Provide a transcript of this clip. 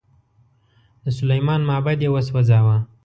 د سلیمان معبد یې وسوځاوه.